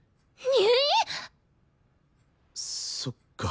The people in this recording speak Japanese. そっか。